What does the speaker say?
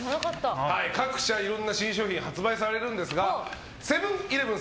各社、いろんな新商品が発売されるんですがセブン‐イレブン